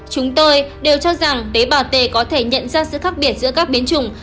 chúng tôi đều cho rằng tế bào t có thể nhận ra sự khác biệt giữa các biến chủng